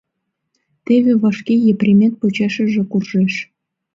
Теве вашке Епремет почешыже куржеш.